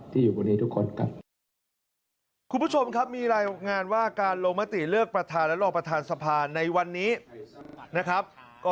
อยู่บนนี้ทุกคนครับ